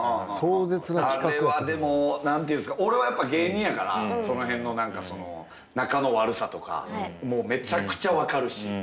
あれはでも何て言うんですか俺はやっぱ芸人やからその辺の何かその仲の悪さとかめちゃくちゃ分かるし。